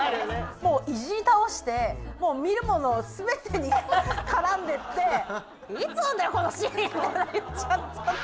もういじり倒してもう見るもの全てに絡んでって「いつ終わんだよこのシーン」って言っちゃった。